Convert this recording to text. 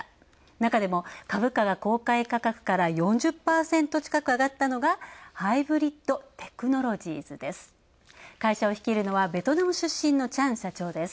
中でも株価が公開価格から４０％近く上がったのがハイブリッドテクノロジーズです。